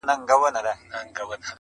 ته پیسې کټه خو دا فکرونه مکړه,